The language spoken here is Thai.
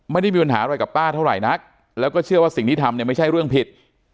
ไม่ได้มีปัญหาอะไรกับป้าเท่าไหร่นักแล้วก็เชื่อว่าสิ่งที่ทำเนี่ยไม่ใช่เรื่องผิด